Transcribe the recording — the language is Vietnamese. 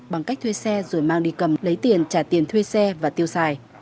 bằng cách thuê xe rồi mang đi cầm lấy tiền trả tiền thuê xe và tiêu xài